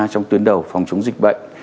trong tuyến đầu phòng chống dịch bệnh